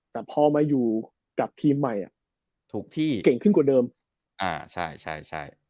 แต่พอมาอยู่กับทีมใหม่อ่ะถูกที่เก่งขึ้นกว่าเดิมอ่าใช่ใช่